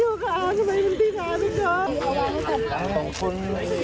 ลูกจ้าอยู่ค่ะทำไมเป็นพี่จ้าทุกคน